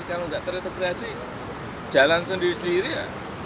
kalau nggak terintegrasi jalan sendiri sendiri ya